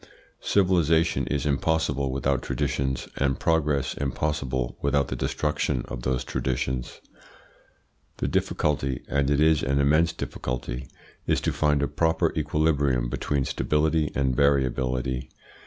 Civilisation is impossible without traditions, and progress impossible without the destruction of those traditions. The difficulty, and it is an immense difficulty, is to find a proper equilibrium between stability and variability.